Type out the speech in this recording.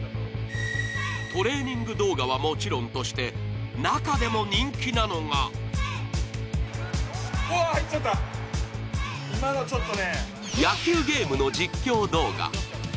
トレーニング動画はもちろんとして、中でも人気なのが野球ゲームの実況動画。